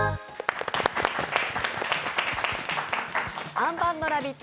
あんパンのラヴィット！